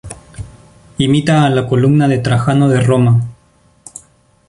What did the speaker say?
Imita a la Columna de Trajano de Roma.